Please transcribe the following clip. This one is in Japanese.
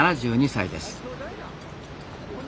７２歳です。